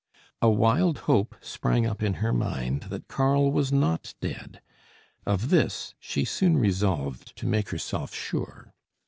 A wild hope sprang up in her mind that Karl was not dead. Of this she soon resolved to make herself sure.